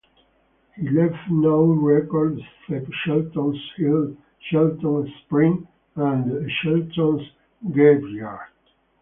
He left no record except Shelton's Hill, Shelton's Spring, and Shelton's Graveyard.